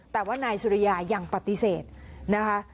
แต่ว่านายสุริยายังปฏิเสธนะคะ